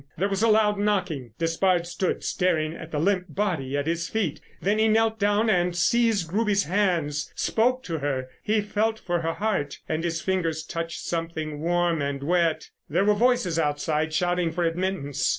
There was a loud knocking. Despard stood staring at the limp body at his feet. Then he knelt down and seized Ruby's hands—spoke to her. He felt for her heart—and his fingers touched something warm and wet. There were voices outside shouting for admittance.